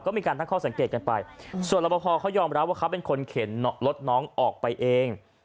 ก็มีการตั้งข้อสังเกตกันไปส่วนรับประพอเขายอมรับว่าเขาเป็นคนเข็นรถน้องออกไปเอง